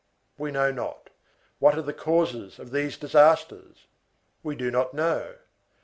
We know not. What are the causes of these disasters? We do not know.